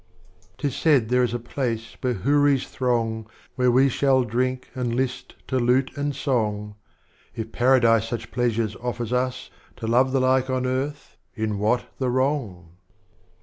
XII. 'T is said there is a place where Houris throng, Where we shall drink and list to Lute and Song, If Paradise such Pleasures oilers us, — To love the like on Earth, — in what the Wrong?'